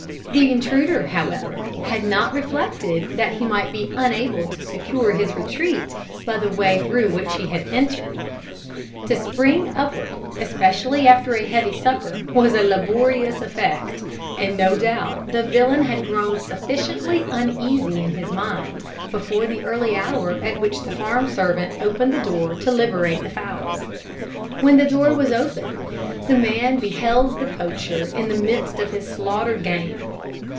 The intruder, however, had not reflected that he might be unable to secure his retreat by the way through which he had entered facilis descensus averni. To spring upward, especially after a heavy supper, was a laborious effort; and no doubt the villain had grown sufficiently uneasy in his mind before the early hour at which the farm servant opened the door to liberate the fowls. When the door was opened, the man beheld the poacher in the midst of his slaughtered game.